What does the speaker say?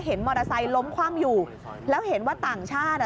มอเตอร์ไซค์ล้มคว่ำอยู่แล้วเห็นว่าต่างชาติอ่ะ